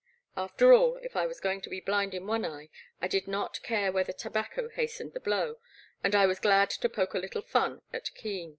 After all, if I was going to be blind in one eye, I did not care whether tobacco hastened the blow, and I was glad to poke a little fun at Keen.